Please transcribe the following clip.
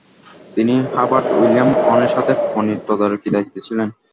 তিনি Herbert William Conn এর সাথে ‘পনির তদারকি’র দায়িত্বে ছিলেন।